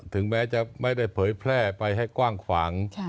ถึงแม้จะไม่ได้เผยแพร่ไปให้กว้างขวาง